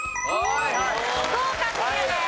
福岡クリアです。